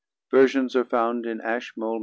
Versions are found in Ashmole MS.